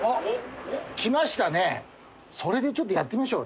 それでちょっとやってみましょう。